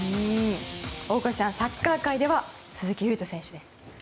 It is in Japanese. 大越さん、サッカー界では鈴木唯人選手です。